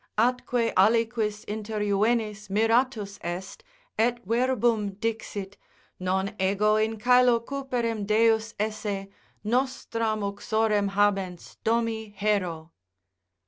Atque aliquis interjuvenes miratus est, et verbum dixit, Non ego in caelo cuperem Deus esse, Nostram uxorem habens domi Hero.